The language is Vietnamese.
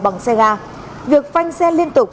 bằng xe ga việc phanh xe liên tục